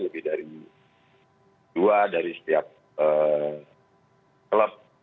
lebih dari dua dari setiap klub